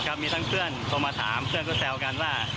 มีทั้งเพื่อนโทรมาถามเพื่อนก็แซวกันว่า